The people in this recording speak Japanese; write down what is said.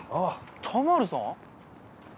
田丸さん！？